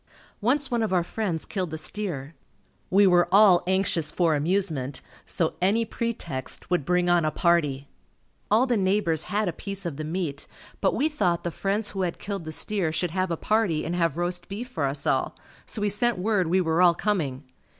Once one of our friends killed a steer. We were all anxious for amusement so any pretext would bring on a party. All the neighbors had a piece of the meat but we thought the friends who had killed the steer should have a party and have roast beef for us all, so we sent word we were all coming.